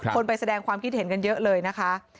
ไปแสดงความคิดเห็นกันเยอะเลยนะคะ